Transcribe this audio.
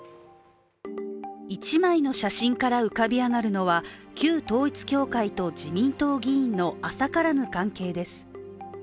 一枚の写真から浮かび上がるのは旧統一教会と自民党議員の浅からぬ関係です。